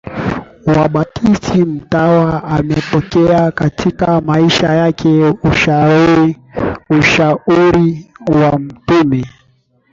Wabaptisti Mtawa amepokea katika maisha yake ushauri wa mtume